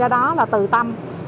đó là từ tâm